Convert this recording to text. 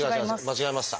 間違えました。